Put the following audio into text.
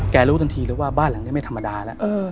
รู้ทันทีเลยว่าบ้านหลังนี้ไม่ธรรมดาแล้ว